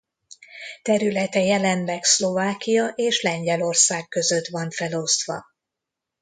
Területe jelenleg Szlovákia és Lengyelország között van felosztva.